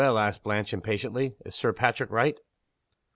asked Blanche, impatiently. "Is Sir Patrick right?"